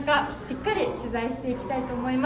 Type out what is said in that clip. しっかり取材していきたいと思い